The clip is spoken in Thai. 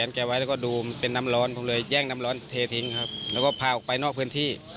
แล้วก็พาออกไปนอกพื้นที่